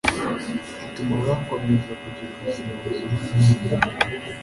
ituma bakomeza kugira ubuzima buzira umuze